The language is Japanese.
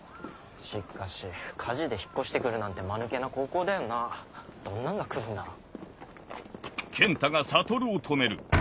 しかし火事で引っ越して来るなんて間抜けな高校だよなどんなんが来るんだろう。